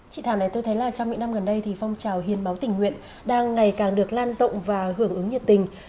chị thảo này tôi thấy là trong những năm gần đây thì phong trào hiến máu tình nguyện đang ngày càng được lan rộng và hưởng ứng nhiệt tình